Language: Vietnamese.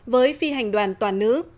với phi hành đoàn toàn nữ